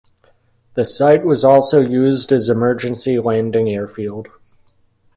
The site was also used as emergency landing airfield.